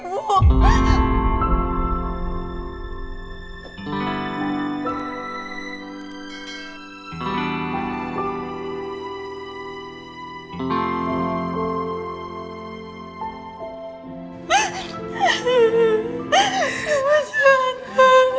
kembali ke kelompok